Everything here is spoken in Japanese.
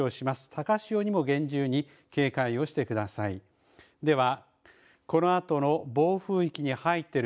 高潮にも厳重に警戒をしてください。